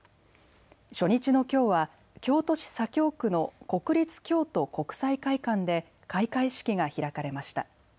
初日のきょうは京都市左京区の国立京都国際会館で開会式が開かれました。